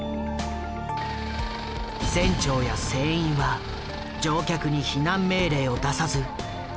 船長や船員は乗客に避難命令を出さず先に脱出。